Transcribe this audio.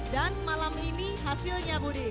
dan malam ini hasilnya budi